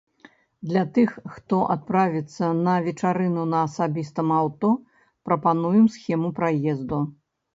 Для тых, хто адправіцца на вечарыну на асабістым аўто, прапануем схему праезду.